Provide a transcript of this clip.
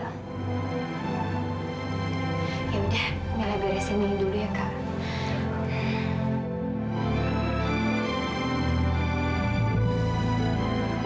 ya udah beresin dulu ya kak